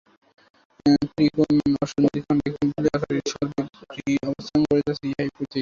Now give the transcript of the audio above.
ত্রিকোণ-অস্থিখণ্ডে কুণ্ডলী-আকারে সর্পটি অবস্থান করিতেছে, ইহাই প্রতীক।